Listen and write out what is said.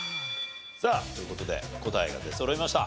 さあという事で答えが出そろいました。